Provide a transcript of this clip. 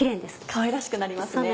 かわいらしくなりますね。